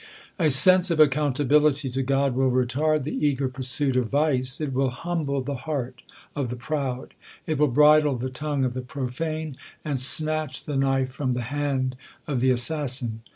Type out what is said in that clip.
A sense of accountability to God will retard the eager pursuit of vice ; it will humble the heart of the proud, it will bridle the tongue of the profane, and snatch the knife from the hand of the assassin.